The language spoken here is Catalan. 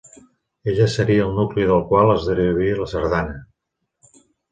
Ella seria el nucli del qual es derivaria la sardana.